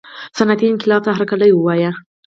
صنعتي انقلاب ته هرکلی ووایه.